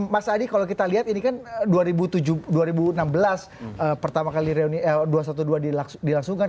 mas adi kalau kita lihat ini kan dua ribu enam belas pertama kali reuni dua ratus dua belas dilangsungkan